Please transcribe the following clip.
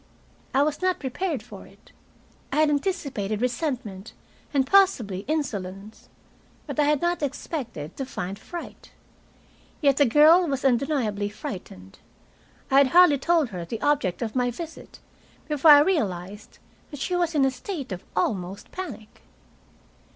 I was not prepared for it. I had anticipated resentment and possibly insolence. But I had not expected to find fright. Yet the girl was undeniably frightened. I had hardly told her the object of my visit before I realized that she was in a state of almost panic.